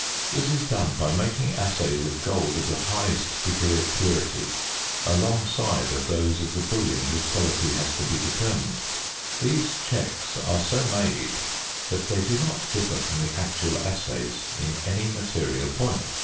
This is done by making assays of gold of the highest degree of purity alongside of those of the bullion whose quality has to be determined. These "checks" are so made that they do not differ from the actual assays in any material point.